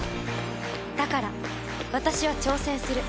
だから私は挑戦する。